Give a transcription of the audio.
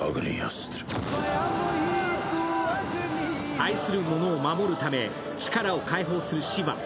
愛する者を守るため、力を解放するシヴァ。